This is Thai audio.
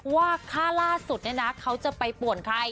ว่าค่าล่าสุดเนี่ยนะเขาจะไปป่วนใคร